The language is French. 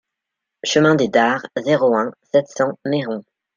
Chemin des Dares, zéro un, sept cents Neyron